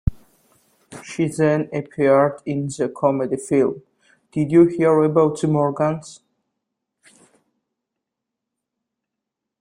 She then appeared in the comedy film Did You Hear About the Morgans?